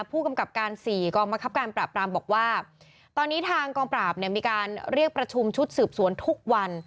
ผู้กำกับการ๔กองบังคับการปราบปรามบอกว่าตอนนี้ทางกองปราบเนี่ยมีการเรียกประชุมชุดสืบสวนทุกวัน